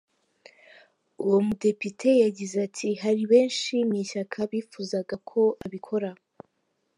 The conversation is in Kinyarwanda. Uwo mudepite yagize ati “Hari benshi mu ishyaka bifuzaga ko abikora.